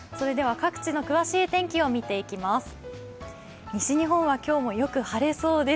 各地の詳しい天気を見ていきます。